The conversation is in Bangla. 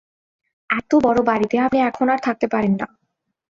এত বড় বাড়িতে আপনি এখন আর থাকতে পারেন না।